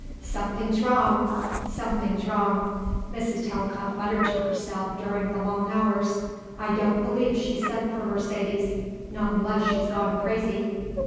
"Something's wrong. Something's wrong," Mrs. Talcott muttered to herself during the long hours. "I don't believe she's sent for Mercedes not unless she's gone crazy."